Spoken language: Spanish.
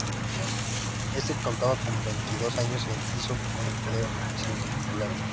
Este, que contaba con veintidós años, se hizo con el poder sin problemas.